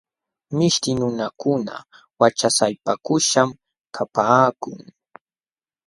Mishti nunakuna wachasapaykuśhqam kapaakun.